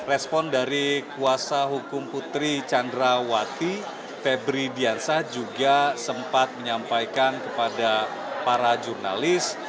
respon dari kuasa hukum putri candrawati febri diansah juga sempat menyampaikan kepada para jurnalis